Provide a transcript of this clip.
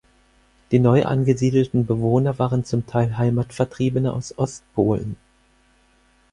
Die neu angesiedelten Bewohner waren zum Teil Heimatvertriebene aus Ostpolen.